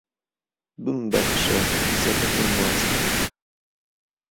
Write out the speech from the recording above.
ببمبەخشە کچەکەتم ماچ کرد